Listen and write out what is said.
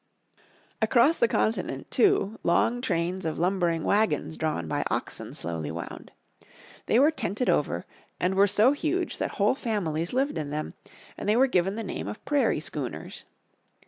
Across the Continent, too long trains of lumbering wagons drawn by oxen slowly wound. They were tented over and were so huge that whole families lived in them, and they were given the name of prairie schooners.